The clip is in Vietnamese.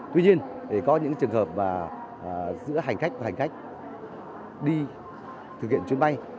tuy nhiên có những trường hợp giữa hành khách và hành khách đi thực hiện chuyến bay